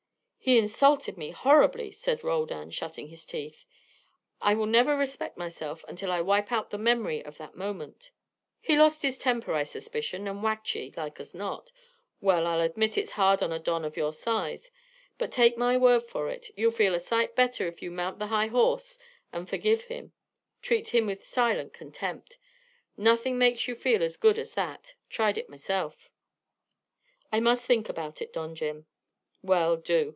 "He insulted me horribly," said Roldan, shutting his teeth. "I will never respect myself until I wipe out the memory of that moment." "He lost his temper, I suspicion, and whacked ye, like as not. Well, I'll admit that is hard on a don of your size. But, take my word for it, you'll feel a sight better if you mount the high horse and forgive him, treat him with silent contempt. Nothin' makes you feel as good as that. Tried it myself." "I must think about it, Don Jim." "Well, do.